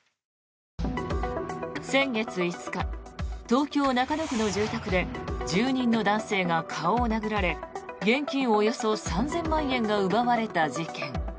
先月５日東京・中野区の住宅で住人の男性が顔を殴られ現金およそ３０００万円が奪われた事件。